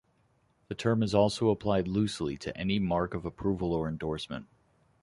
The term is also applied loosely to any mark of approval or endorsement.